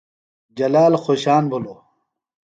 جلال خوۡشان بِھلوۡ۔